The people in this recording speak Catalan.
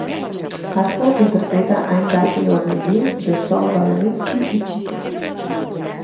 Harpo interpreta "I'm Daffy over You" de Sol Violinsky i Chico.